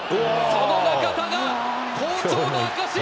その中田が、好調の証し。